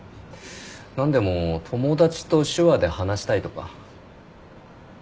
何でも友達と手話で話したいとか。